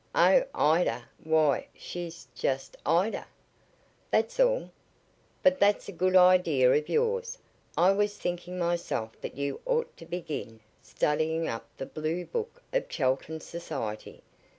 "Oh, Ida why she's just Ida. That's all. But that's a good idea of yours. I was thinking myself that you ought to begin studying up the blue book of Chelton society.